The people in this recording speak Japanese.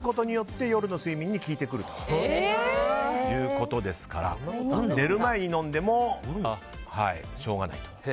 朝飲むことによって夜の睡眠に効いてくるということですから寝る前に飲んでもしょうがないと。